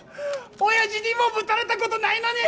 親父にもぶたれたことないのに！